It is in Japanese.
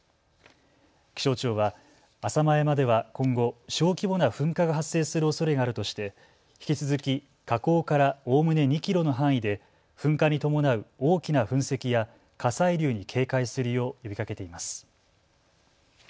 気象庁は浅間山では今後、小規模な噴火が発生するおそれがあるとして引き続き火口からおおむね２キロの範囲で噴火に伴う大きな噴石や火砕流に警戒するよう呼びかけています。